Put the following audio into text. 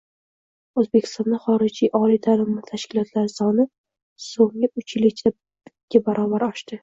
O‘zbekistonda xorijiy oliy ta’lim tashkilotlari soni so‘nggiuchyilda ikki barobar oshdi